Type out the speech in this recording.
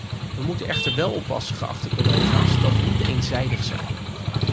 We moeten echter wel oppassen, geachte collega’s, dat we niet te eenzijdig zijn.